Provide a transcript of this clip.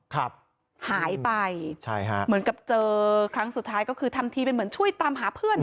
ครับหายไปใช่ฮะเหมือนกับเจอครั้งสุดท้ายก็คือทำทีเป็นเหมือนช่วยตามหาเพื่อนอ่ะ